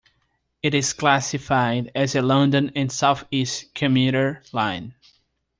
It is classified as a London and South East commuter line.